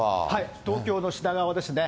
東京の品川ですね。